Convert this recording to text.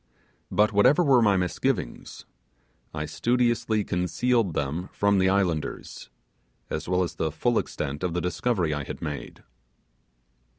But whatever were my misgivings, I studiously concealed them from the islanders, as well as the full extent of the discovery I had made.